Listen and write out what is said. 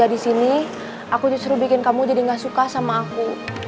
jika lu sudah disini aku justru bikin kamu jadi gak suka sama aku